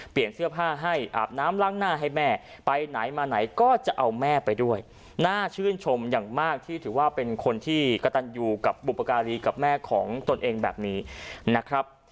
เสื้อผ้าให้อาบน้ำล้างหน้าให้แม่ไปไหนมาไหนก็จะเอาแม่ไปด้วยน่าชื่นชมอย่างมากที่ถือว่าเป็นคนที่กระตันอยู่กับบุปการีกับแม่ของตนเองแบบนี้นะครับ